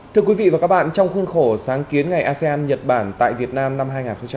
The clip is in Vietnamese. thưa quý vị và các bạn trong khuôn khổ sáng kiến ngày asean nhật bản tại việt nam năm hai nghìn hai mươi